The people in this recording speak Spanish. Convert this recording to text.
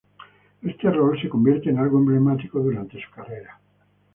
Este rol se convierte en algo emblemático durante su carrera.